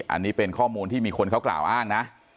อันนี้เป็นข้อมูลที่มีคนเขากล่าวอ้างนะ